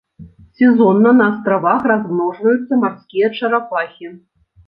Сезонна на астравах размножваюцца марскія чарапахі.